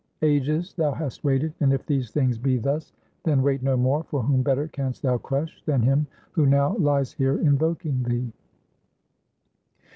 Ages thou hast waited; and if these things be thus, then wait no more; for whom better canst thou crush than him who now lies here invoking thee?"